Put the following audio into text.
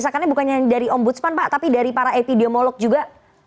masakannya bukan hanya dari ombudsman pak tapi dari para epidemiolog juga